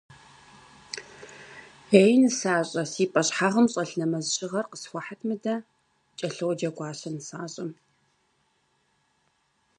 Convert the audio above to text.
Ей нысащӏэ, си пӏэщхьагъым щӏэлъ нэмэз щыгъэр къысхуэхьыт мыдэ, — кӏэлъоджэ Гуащэ нысащӏэм.